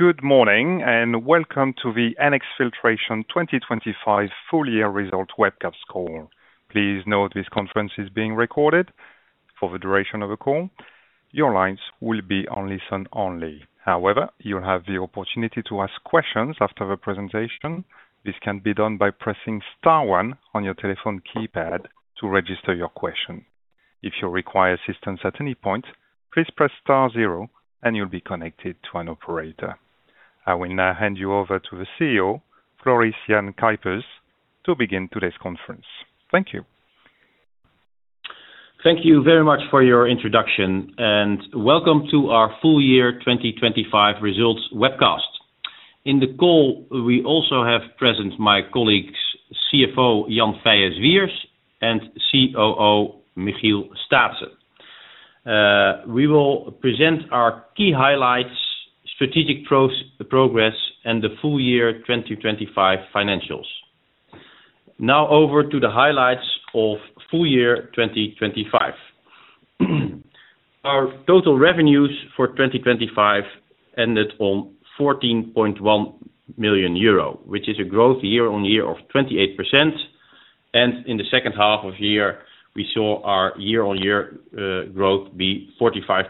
Good morning, and welcome to the NX Filtration 2025 full year result webcast call. Please note this conference is being recorded for the duration of the call. Your lines will be on listen only. However, you'll have the opportunity to ask questions after the presentation. This can be done by pressing star one on your telephone keypad to register your question. If you require assistance at any point, please press star zero and you'll be connected to an operator. I will now hand you over to the CEO, Floris Jan Cuypers, to begin today's conference. Thank you. Thank you very much for your introduction, and welcome to our full year 2025 results webcast. In the call, we also have present my colleagues, CFO Jan Feie Zwiers and COO Michiel Staatsen. We will present our key highlights, strategic progress, and the full year 2025 financials. Now over to the highlights of full year 2025. Our total revenues for 2025 ended on 14.1 million euro, which is a growth year-on-year of 28%. In the second half of year, we saw our year-on-year growth be 45%.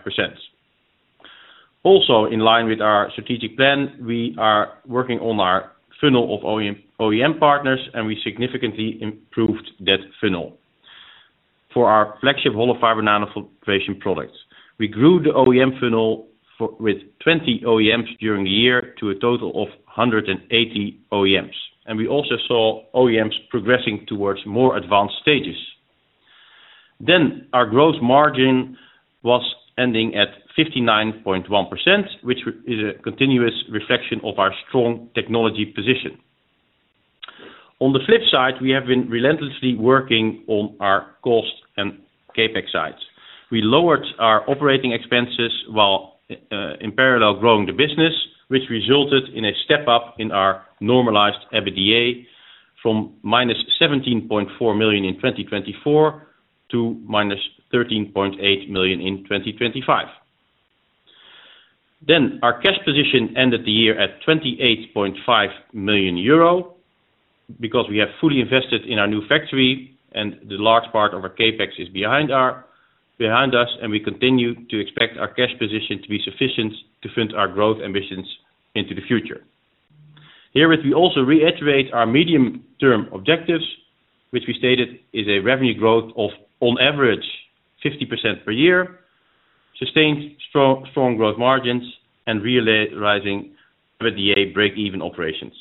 Also, in line with our strategic plan, we are working on our funnel of OEM, OEM partners, and we significantly improved that funnel. For our flagship hollow fiber nanofiltration products, we grew the OEM funnel for with 20 OEMs during the year to a total of 180 OEMs. We also saw OEMs progressing towards more advanced stages. Our gross margin was ending at 59.1%, which is a continuous reflection of our strong technology position. On the flip side, we have been relentlessly working on our cost and CapEx sides. We lowered our operating expenses while in parallel growing the business, which resulted in a step up in our normalized EBITDA from -17.4 million in 2024 to -13.8 million in 2025. Then our cash position ended the year at 28.5 million euro because we have fully invested in our new factory and the large part of our CapEx is behind us, and we continue to expect our cash position to be sufficient to fund our growth ambitions into the future. Here, we also reiterate our medium-term objectives, which we stated is a revenue growth of, on average, 50% per year, sustained strong, strong gross margins, and realizing EBITDA break-even operations.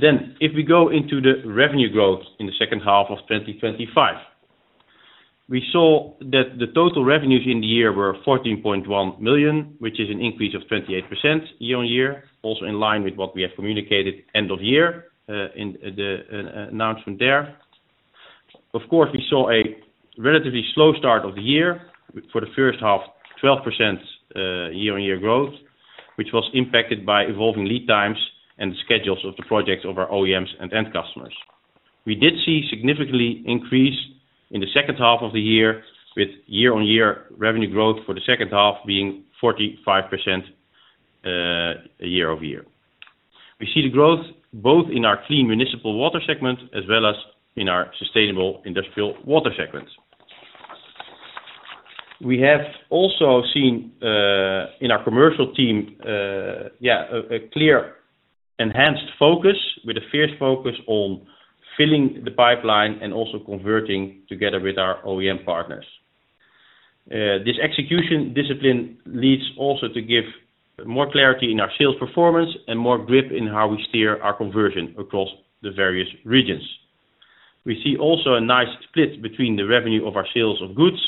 Then, if we go into the revenue growth in the second half of 2025, we saw that the total revenues in the year were 14.1 million, which is an increase of 28% year-on-year. Also, in line with what we have communicated end of year, in the announcement there. Of course, we saw a relatively slow start of the year for the first half, 12% year-on-year growth, which was impacted by evolving lead times and schedules of the projects of our OEMs and end customers. We did see significantly increase in the second half of the year, with year-over-year revenue growth for the second half being 45% year-over-year. We see the growth both in our clean municipal water segment as well as in our sustainable industrial water segment. We have also seen in our commercial team, yeah, a clear, enhanced focus with a fierce focus on filling the pipeline and also converting together with our OEM partners. This execution discipline leads also to give more clarity in our sales performance and more grip in how we steer our conversion across the various regions. We see also a nice split between the revenue of our sales of goods,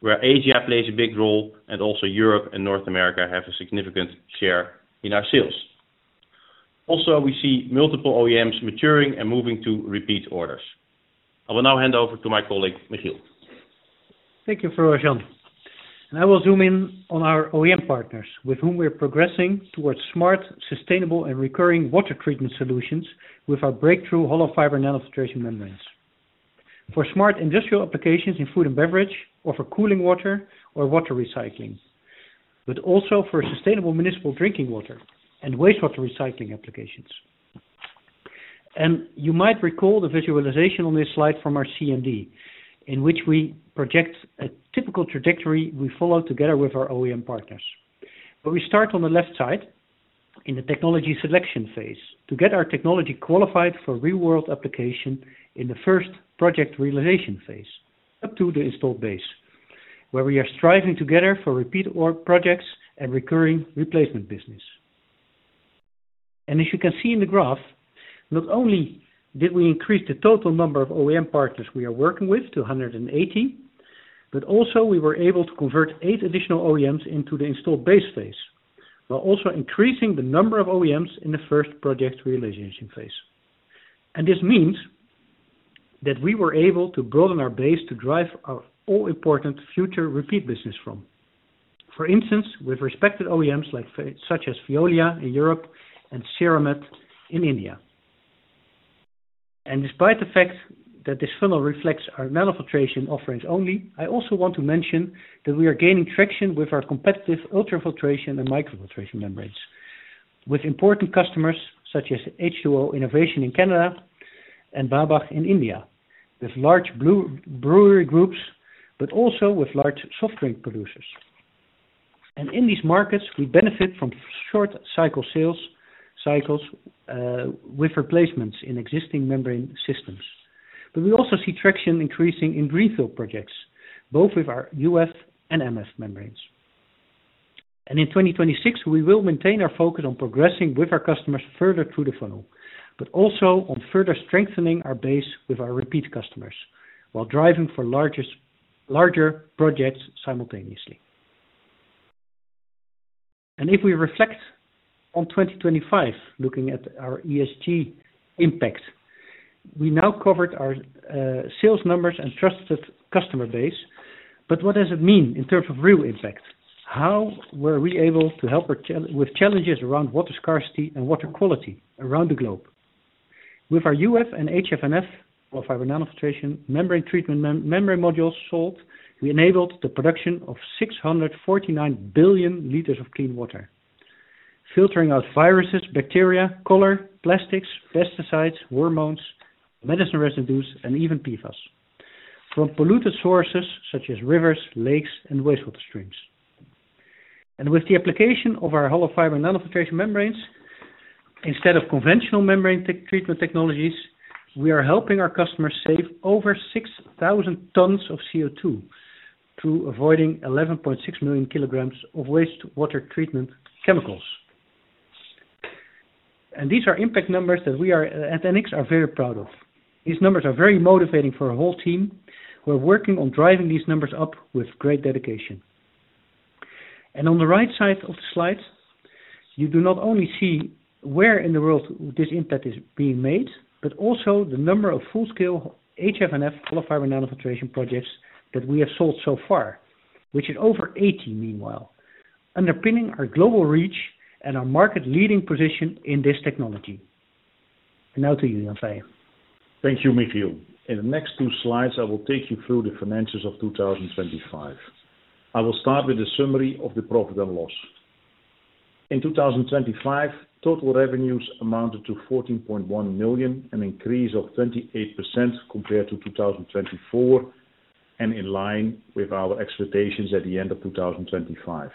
where Asia plays a big role, and also Europe and North America have a significant share in our sales. Also, we see multiple OEMs maturing and moving to repeat orders. I will now hand over to my colleague, Michiel. Thank you, Floris Jan. I will zoom in on our OEM partners, with whom we are progressing towards smart, sustainable, and recurring water treatment solutions with our breakthrough hollow fiber nanofiltration membranes. For smart industrial applications in food and beverage, or for cooling water or water recycling, but also for sustainable municipal drinking water and wastewater recycling applications. You might recall the visualization on this slide from our CMD, in which we project a typical trajectory we follow together with our OEM partners. We start on the left side in the technology selection phase to get our technology qualified for real-world application in the first project realization phase, up to the installed base, where we are striving together for repeat order projects and recurring replacement business. As you can see in the graph, not only did we increase the total number of OEM partners we are working with to 180, but also we were able to convert 8 additional OEMs into the installed base phase, while also increasing the number of OEMs in the first project realization phase. This means that we were able to broaden our base to drive our all-important future repeat business from. For instance, with respected OEMs like such as Veolia in Europe and Ceramed in India. Despite the fact that this funnel reflects our nanofiltration offerings only, I also want to mention that we are gaining traction with our competitive ultrafiltration and microfiltration membranes, with important customers such as H2O Innovation in Canada and VA Tech Wabag in India, with large blue brewery groups, but also with large soft drink producers. In these markets, we benefit from short cycle sales cycles with replacements in existing membrane systems. But we also see traction increasing in refill projects, both with our UF and MF membranes. In 2026, we will maintain our focus on progressing with our customers further through the funnel, but also on further strengthening our base with our repeat customers, while driving for largest, larger projects simultaneously. If we reflect on 2025, looking at our ESG impact, we now covered our sales numbers and trusted customer base. But what does it mean in terms of real impact? How were we able to help with challenges around water scarcity and water quality around the globe? With our UF and HFNF, hollow fiber nanofiltration, membrane treatment membrane modules sold, we enabled the production of 649 billion liters of clean water, filtering out viruses, bacteria, color, plastics, pesticides, hormones, medicine residues, and even PFAS from polluted sources such as rivers, lakes, and wastewater streams. And with the application of our hollow fiber nanofiltration membranes, instead of conventional membrane tech, treatment technologies, we are helping our customers save over 6,000 tons of CO2, through avoiding 11.6 million kilograms of wastewater treatment chemicals. And these are impact numbers that we are, at NX, are very proud of. These numbers are very motivating for our whole team. We're working on driving these numbers up with great dedication. On the right side of the slide, you do not only see where in the world this impact is being made, but also the number of full-scale HFNF, hollow fiber nanofiltration projects, that we have sold so far, which is over 80, meanwhile, underpinning our global reach and our market leading position in this technology. Now to you, Jan Feie Zwiers. Thank you, Michiel. In the next two slides, I will take you through the financials of 2025. I will start with a summary of the profit and loss. In 2025, total revenues amounted to 14.1 million, an increase of 28% compared to 2024, and in line with our expectations at the end of 2025.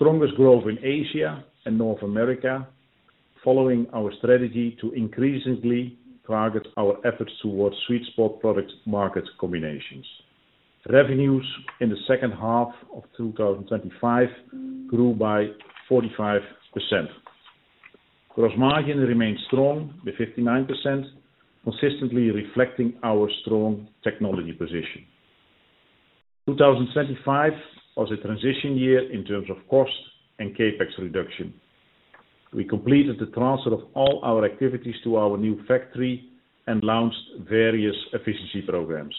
Strongest growth in Asia and North America, following our strategy to increasingly target our efforts towards sweet spot product market combinations. Revenues in the second half of 2025 grew by 45%. Gross margin remained strong, with 59%, consistently reflecting our strong technology position. 2025 was a transition year in terms of cost and CapEx reduction. We completed the transfer of all our activities to our new factory and launched various efficiency programs.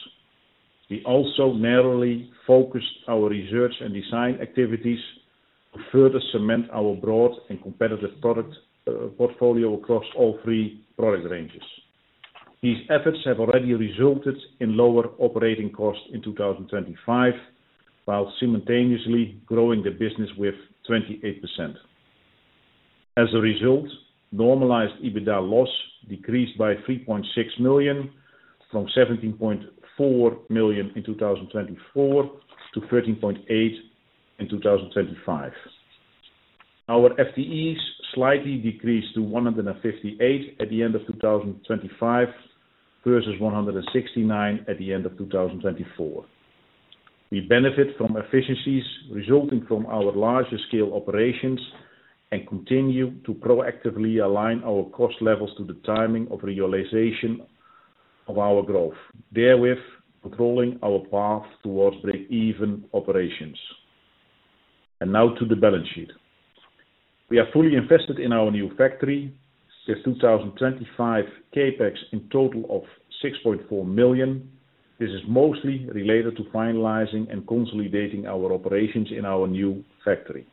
We also narrowly focused our research and design activities to further cement our broad and competitive product portfolio across all three product ranges. These efforts have already resulted in lower operating costs in 2025, while simultaneously growing the business with 28%. As a result, normalized EBITDA loss decreased by 3.6 million, from 17.4 million in 2024, to 13.8 million in 2025. Our FTEs slightly decreased to 158 at the end of 2025, versus 169 at the end of 2024. We benefit from efficiencies resulting from our larger scale operations, and continue to proactively align our cost levels to the timing of realization of our growth. Therewith, controlling our path towards the break-even operations. Now to the balance sheet. We are fully invested in our new factory, with 2025 CapEx in total of 6.4 million. This is mostly related to finalizing and consolidating our operations in our new factory.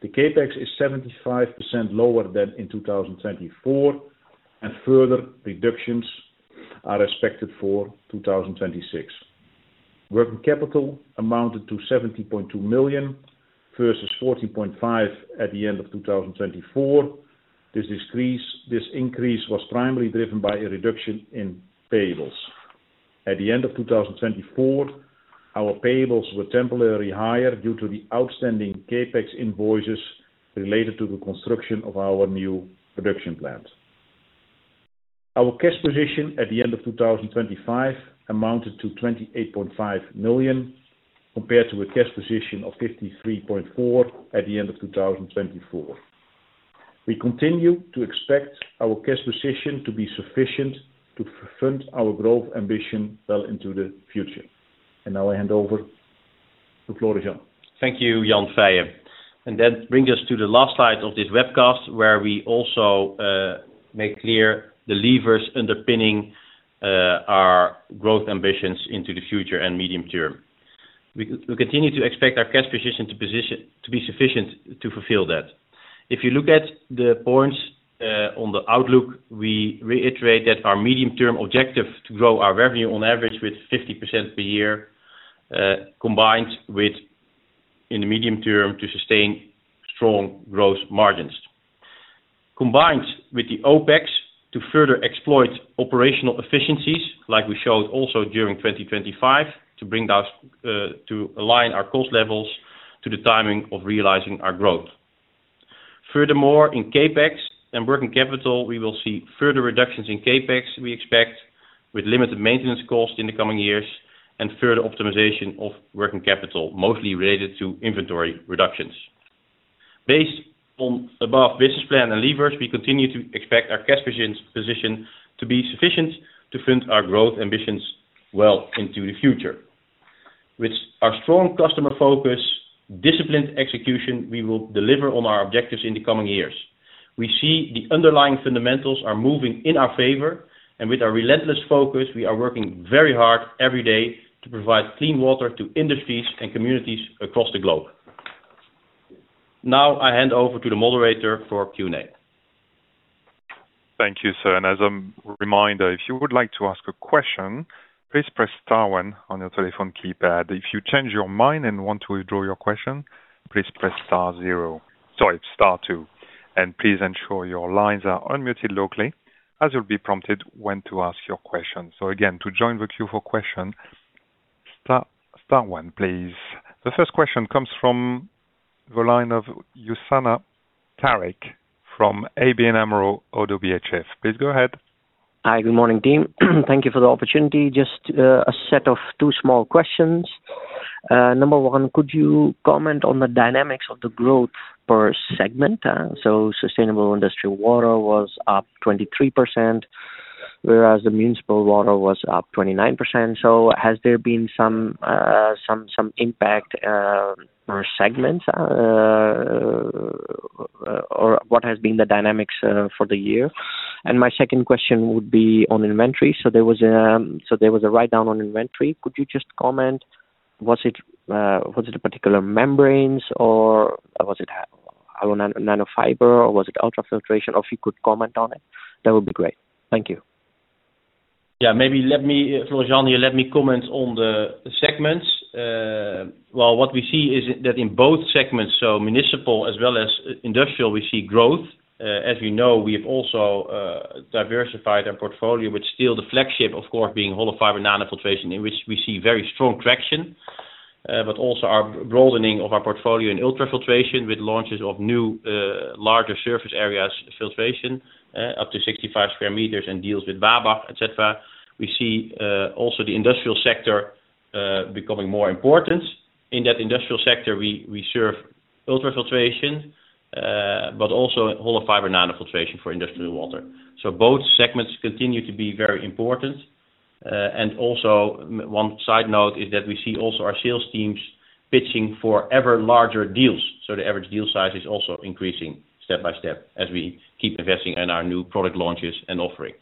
The CapEx is 75% lower than in 2024, and further reductions are expected for 2026. Working capital amounted to 70.2 million, versus 40.5 million at the end of 2024. This increase was primarily driven by a reduction in payables. At the end of 2024, our payables were temporarily higher due to the outstanding CapEx invoices related to the construction of our new production plant. Our cash position at the end of 2025 amounted to 28.5 million, compared to a cash position of 53.4 million at the end of 2024. We continue to expect our cash position to be sufficient to fund our growth ambition well into the future. Now I hand over to Floris Jan. Thank you, Jan Feie Zwiers. That brings us to the last slide of this webcast, where we also make clear the levers underpinning our growth ambitions into the future and medium term. We continue to expect our cash position to be sufficient to fulfill that. If you look at the points on the outlook, we reiterate that our medium-term objective to grow our revenue on average with 50% per year, combined with, in the medium term, to sustain strong gross margins. Combined with the OpEx to further exploit operational efficiencies, like we showed also during 2025, to bring us to align our cost levels to the timing of realizing our growth. Furthermore, in CapEx and working capital, we will see further reductions in CapEx, we expect, with limited maintenance costs in the coming years and further optimization of working capital, mostly related to inventory reductions. Based on above business plan and levers, we continue to expect our cash positions, position to be sufficient to fund our growth ambitions well into the future. With our strong customer focus, disciplined execution, we will deliver on our objectives in the coming years. We see the underlying fundamentals are moving in our favor, and with our relentless focus, we are working very hard every day to provide clean water to industries and communities across the globe. Now, I hand over to the moderator for Q&A. Thank you, sir. And as a reminder, if you would like to ask a question, please press star one on your telephone keypad. If you change your mind and want to withdraw your question, please press star zero, sorry, star two. And please ensure your lines are unmuted locally, as you'll be prompted when to ask your question. So again, to join the queue for question, star, star one, please. The first question comes from the line of Usman Tariq from ABN AMRO – ODDO BHF. Please go ahead. Hi, good morning, team. Thank you for the opportunity. Just a set of two small questions. Number one, could you comment on the dynamics of the growth per segment? So sustainable industrial water was up 23%, whereas the municipal water was up 29%. So has there been some impact per segment? Or what has been the dynamics for the year? And my second question would be on inventory. So there was a write-down on inventory. Could you just comment, was it a particular membranes or was it hollow fiber nanofiltration, or was it ultrafiltration? Or if you could comment on it, that would be great. Thank you. Yeah, maybe let me, Floris, let me comment on the segments. Well, what we see is that in both segments, so municipal as well as industrial, we see growth. As you know, we have also diversified our portfolio, with still the flagship, of course, being hollow fiber nanofiltration, in which we see very strong traction. But also our broadening of our portfolio in ultrafiltration with launches of new larger surface areas filtration up to 65 square meters and deals with VA Tech Wabag, et cetera. We see also the industrial sector becoming more important. In that industrial sector, we serve ultrafiltration, but also hollow fiber nanofiltration for industrial water. So both segments continue to be very important. And also one side note is that we see also our sales teams pitching for ever larger deals. So the average deal size is also increasing step-by-step as we keep investing in our new product launches and offering.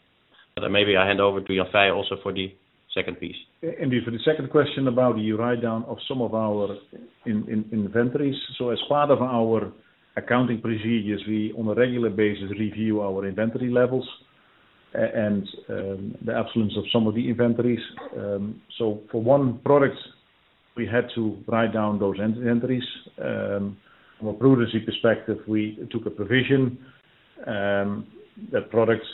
But maybe I hand over to you, Feie, also for the second piece. For the second question about the write-down of some of our inventories. As part of our accounting procedures, we, on a regular basis, review our inventory levels and the absence of some of the inventories. For one product, we had to write down those inventories. From a prudence perspective, we took a provision that products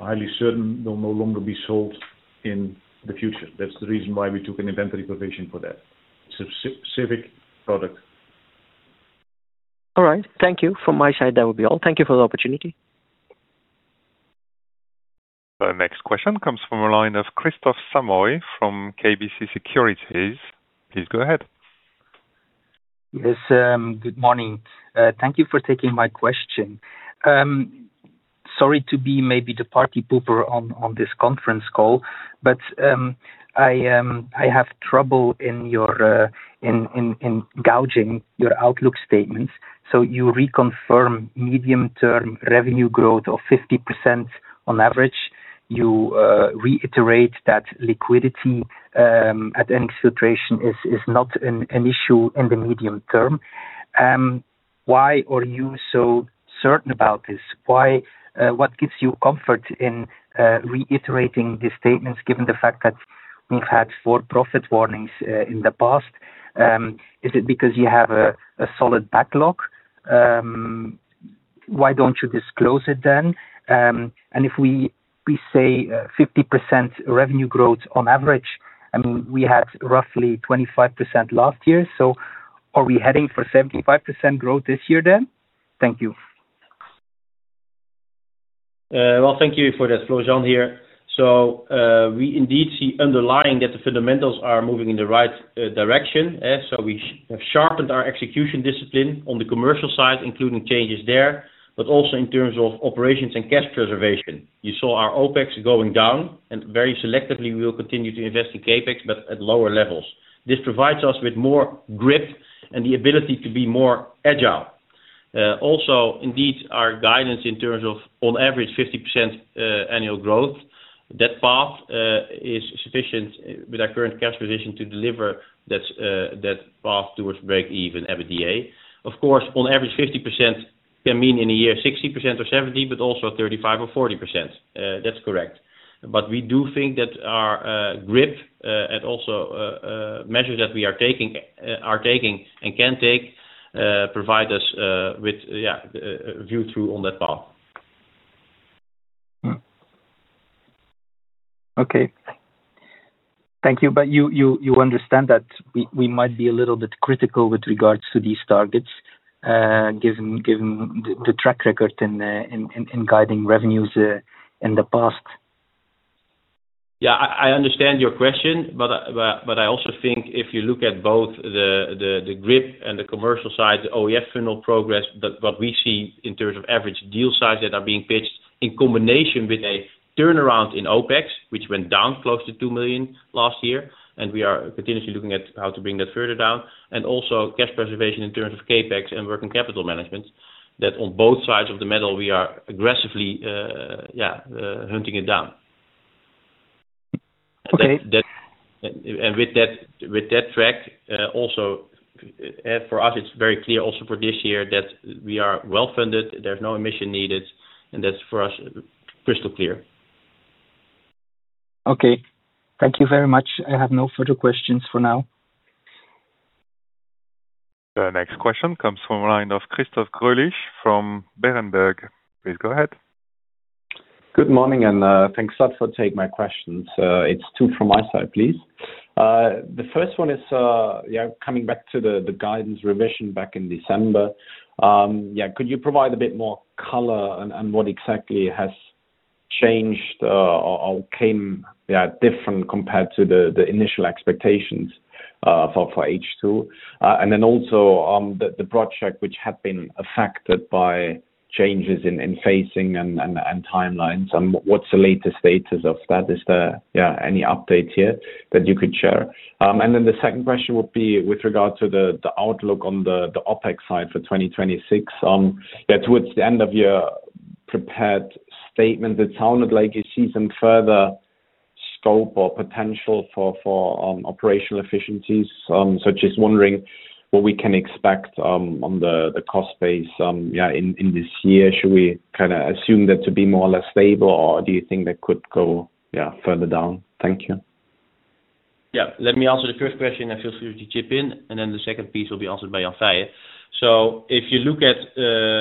highly certain will no longer be sold in the future. That's the reason why we took an inventory provision for that specific product. All right. Thank you. From my side, that would be all. Thank you for the opportunity. Our next question comes from the line of Kristof Samoy from KBC Securities. Please go ahead. Yes, good morning. Thank you for taking my question. Sorry to be maybe the party pooper on this conference call, but I have trouble in gauging your outlook statements. So you reconfirm medium-term revenue growth of 50% on average. You reiterate that liquidity at NX Filtration is not an issue in the medium term. Why are you so certain about this? Why, what gives you comfort in reiterating these statements, given the fact that we've had four profit warnings in the past? Is it because you have a solid backlog? Why don't you disclose it then? If we say 50% revenue growth on average, I mean, we had roughly 25% last year, so are we heading for 75% growth this year, then? Thank you. Well, thank you for that, Floris here. So, we indeed see underlying that the fundamentals are moving in the right, direction. So, we have sharpened our execution discipline on the commercial side, including changes there, but also in terms of operations and cash preservation. You saw our OpEx going down, and very selectively, we will continue to invest in CapEx, but at lower levels. This provides us with more grip and the ability to be more agile. Also, indeed, our guidance in terms of on average 50%, annual growth, that path, is sufficient with our current cash position to deliver that, that path towards break-even EBITDA. Of course, on average, 50% can mean in a year, 60% or 70%, but also 35% or 40%. That's correct. But we do think that our grip and also measures that we are taking and can take provide us with yeah view through on that path. Hmm. Okay. Thank you. But you understand that we might be a little bit critical with regards to these targets, given the track record in guiding revenues in the past? Yeah, I understand your question, but I also think if you look at both the grip and the commercial side, the OE funnel progress, but what we see in terms of average deal size that are being pitched in combination with a turnaround in OpEx, which went down close to 2 million last year, and we are continuously looking at how to bring that further down, and also cash preservation in terms of CapEx and working capital management, that on both sides of the metal, we are aggressively, yeah, hunting it down. Okay. That and with that track, also for us, it's very clear also for this year that we are well-funded, there's no emission needed, and that's for us crystal clear. Okay. Thank you very much. I have no further questions for now. The next question comes from the line of Christoph Greulich from Berenberg. Please go ahead. Good morning, and thanks a lot for taking my questions. It's two from my side, please. The first one is coming back to the guidance revision back in December. Could you provide a bit more color on what exactly has changed or came different compared to the initial expectations for H2? And then also, on the project which have been affected by changes in phasing and timelines, what's the latest status of that? Is there any update here that you could share? And then the second question would be with regard to the outlook on the OpEx side for 2026. Towards the end of your prepared statement, it sounded like you see some further scope or potential for operational efficiencies. Just wondering what we can expect on the cost base in this year. Should we kinda assume that to be more or less stable, or do you think that could go further down? Thank you. Yeah. Let me answer the first question and feel free to chip in, and then the second piece will be answered by Jan Feie. So if you look at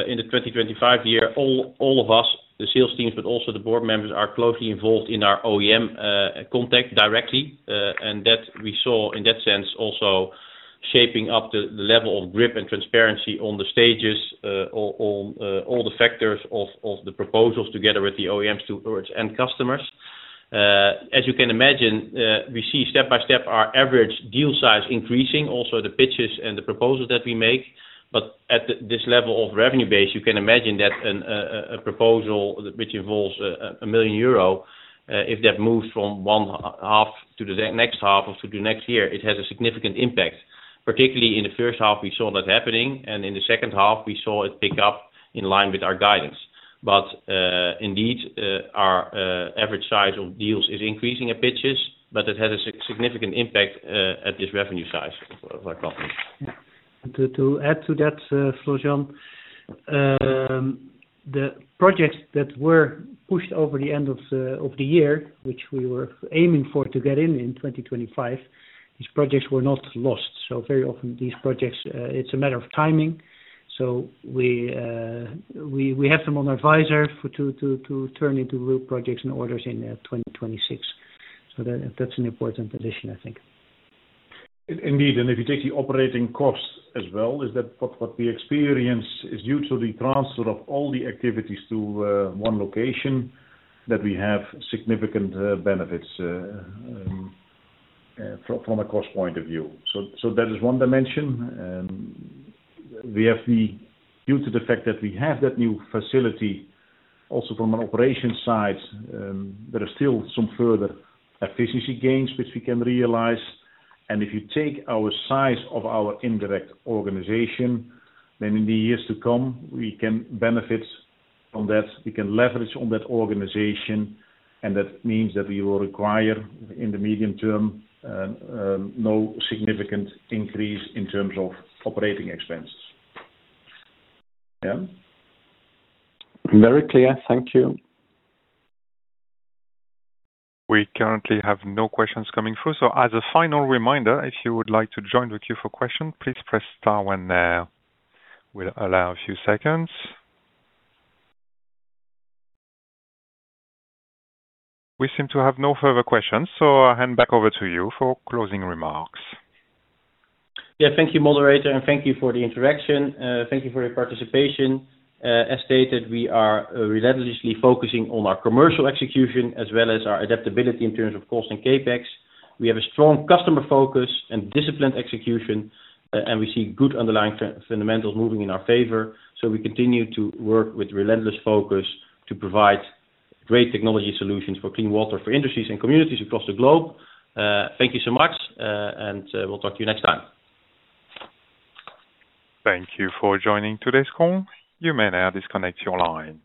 in the 2025 year, all of us, the sales teams, but also the board members, are closely involved in our OEM contact directly, and that we saw in that sense, also shaping up the level of grip and transparency on the stages, on all the factors of the proposals together with the OEMs towards end customers. As you can imagine, we see step by step our average deal size increasing, also the pitches and the proposals that we make. But at this level of revenue base, you can imagine that a proposal which involves 1 million euro, if that moves from one half to the next half or to the next year, it has a significant impact. Particularly in the first half, we saw that happening, and in the second half, we saw it pick up in line with our guidance. But, indeed, our average size of deals is increasing at pitches, but it has a significant impact at this revenue size of our company. To add to that, Floris Jan, the projects that were pushed over the end of the year, which we were aiming for, to get in in 2025, these projects were not lost. So very often these projects, it's a matter of timing. So we have them on our radar for to turn into real projects and orders in 2026. So that, that's an important addition, I think. Indeed, and if you take the operating costs as well, what we experience is due to the transfer of all the activities to one location, that we have significant benefits from a cost point of view. So that is one dimension. Due to the fact that we have that new facility, also from an operation side, there are still some further efficiency gains which we can realize. And if you take our size of our indirect organization, then in the years to come, we can benefit from that, we can leverage on that organization, and that means that we will require, in the medium term, no significant increase in terms of operating expenses. Yeah? Very clear. Thank you. We currently have no questions coming through. So as a final reminder, if you would like to join the queue for question, please press Star one now. We'll allow a few seconds. We seem to have no further questions, so I hand back over to you for closing remarks. Yeah, thank you, moderator, and thank you for the interaction. Thank you for your participation. As stated, we are relentlessly focusing on our commercial execution, as well as our adaptability in terms of cost and CapEx. We have a strong customer focus and disciplined execution, and we see good underlying fundamentals moving in our favor. So we continue to work with relentless focus to provide great technology solutions for clean water, for industries and communities across the globe. Thank you so much, and we'll talk to you next time. Thank you for joining today's call. You may now disconnect your line.